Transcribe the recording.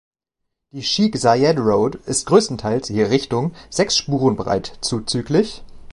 Die Sheikh Zayed Road ist größtenteils je Richtung sechs Spuren breit, zzgl.